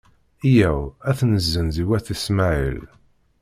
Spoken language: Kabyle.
Yyaw ad t-nezzenz i wat Ismaɛil.